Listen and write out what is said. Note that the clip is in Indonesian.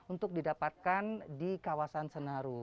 untuk didapatkan di kawasan senaru